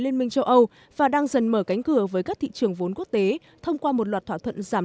liên minh châu âu và đang dần mở cánh cửa với các thị trường vốn quốc tế thông qua một loạt thỏa thuận giảm